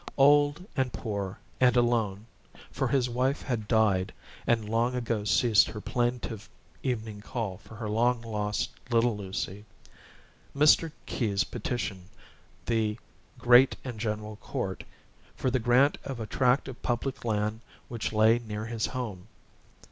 Old, and poor, and alone, for his wife had died, and long ago ceased her plaintive evening call for her long lost little Lucy, Mr. Keyes petitioned the "Great and General Court" for the grant of a tract of public land which lay near his home.